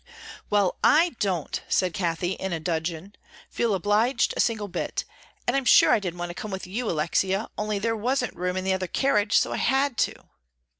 "Well, I don't," said Cathie, in a dudgeon, "feel obliged a single bit, and I'm sure I didn't want to come with you, Alexia, only there wasn't room in the other carriage, so I had to."